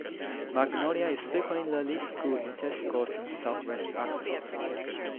Magnolia is frequently the lead school in test scores in southwest Arkansas.